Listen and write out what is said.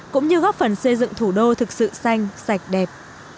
cũng như góp phần xây dựng thủ đô thực sự xanh sạch đẹp